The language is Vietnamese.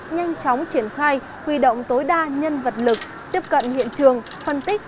nhanh chóng triển khai huy động tối đa nhân vật lực tiếp cận hiện trường phân tích